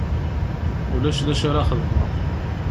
Ulac d acu ara xedmeɣ.